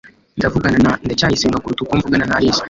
ndavugana na ndacyayisenga kuruta uko mvugana na alice